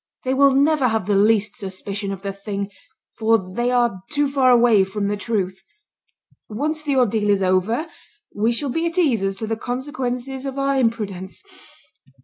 They will never have the least suspicion of the thing, for they are too far away from the truth. Once the ordeal is over, we shall be at ease as to the consequences of our imprudence.